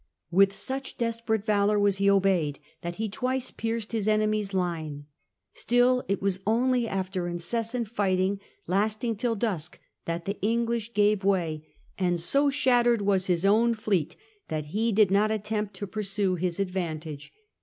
With such desperate valour was he obeyed that he twice pierced his enemy's line. Still it was only after incessant fighting, lasting till dusk, that the^nglish The First Dutch War . 1666 *36 gave way ; and so shattered was his own fleet that he did not attempt to pursue his advantage.